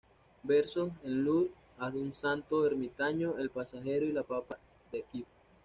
Versos en loor a un santo ermitaño", "El pasajero" y "La pipa de kif".